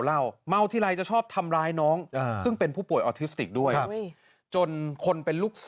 โทรนาเม้นท์แชมเป็นทิพย์รบทิพย์ชนะเลิศ